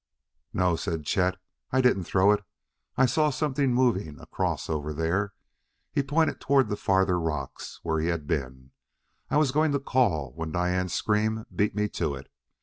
"No," said Chet; "I didn't throw it. I saw something moving over across there" he pointed toward the farther rocks where he had been "I was going to call when Diane's scream beat me to it.